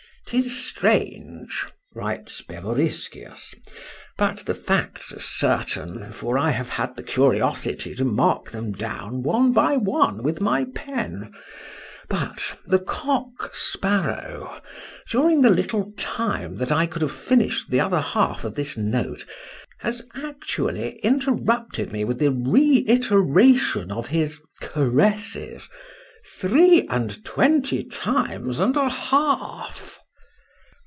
—'Tis strange! writes Bevoriskius; but the facts are certain, for I have had the curiosity to mark them down one by one with my pen;—but the cock sparrow, during the little time that I could have finished the other half of this note, has actually interrupted me with the reiteration of his caresses three and twenty times and a half.